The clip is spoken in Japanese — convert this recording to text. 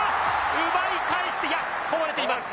奪い返していやこぼれています。